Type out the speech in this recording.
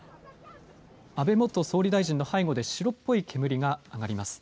安倍元総理大臣の背後で白っぽい煙が上がります。